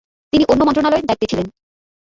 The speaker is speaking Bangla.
তিনি অন্য মন্ত্রণালয়ের দায়িত্বে ছিলেন।